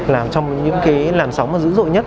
làm trong những cái làn sóng mà dữ dội nhất